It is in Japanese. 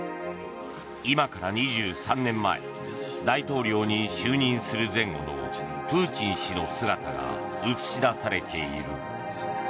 今から２３年前大統領に就任する前後のプーチン氏の姿が映し出されている。